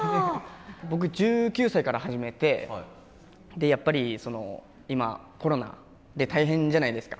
僕１９歳から始めてやっぱりその今コロナで大変じゃないですか。